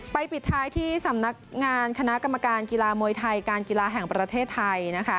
ปิดท้ายที่สำนักงานคณะกรรมการกีฬามวยไทยการกีฬาแห่งประเทศไทยนะคะ